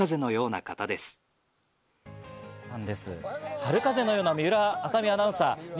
春風のような、水卜麻美アナウンサー。